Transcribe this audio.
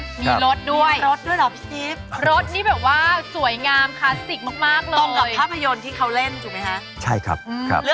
มีรถด้วยมีรถด้วยเหรอพี่จี๊บรถนี่แบบว่าสวยงามคลาสสิกมากเลย